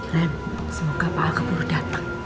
rem semoga pak agung buru datang